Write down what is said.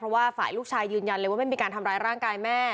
เพราะว่าฝ่ายลูกชายยืนยันเลยว่าไม่มีการทำร้ายร่างกายแม่